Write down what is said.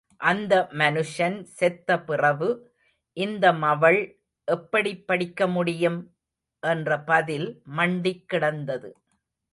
அந்த மனுஷன் செத்த பிறவு இந்த மவள் எப்படிப் படிக்க முடியும்? என்ற பதில் மண்டிக் கிடந்தது.